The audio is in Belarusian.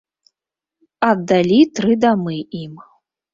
Аддалі тры дамы ім.